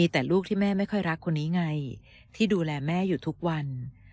แต่ลูกที่แม่ไม่ค่อยรักคนนี้ไงที่ดูแลแม่อยู่ทุกวัน